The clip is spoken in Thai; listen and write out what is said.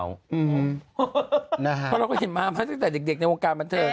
เพราะเราก็เห็นมามาตั้งแต่เด็กในวงการบันเทิง